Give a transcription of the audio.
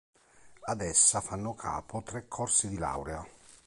Ad essa fanno capo tre Corsi di Laurea.